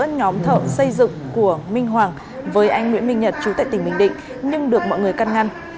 tòa án nhân dân thành phố đà nẵng tuyên phạt nguyễn văn minh hoàng với anh nguyễn minh nhật chú tại tỉnh bình định nhưng được mọi người căn ngăn